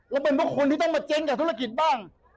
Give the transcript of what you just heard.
แล้วเป็นเพราะคนที่ต้องมาเจ๊งกับธุรกิจบ้าง